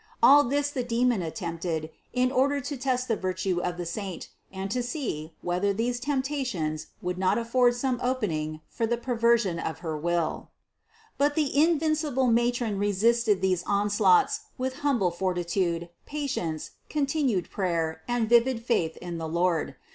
All this the demon attempted in order to test the virtue of the saint, and to see, whether these temptations would THE CONCEPTION 257 not afford some opening for the perversion of her will. 318. But the invincible matron resisted these on slaughts with humble fortitude, patience, continued prayer and vivid faith in the Lord.